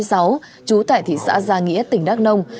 trú tại thị xã gia nghĩa tỉnh đắk nông